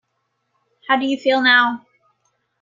How do you feel now?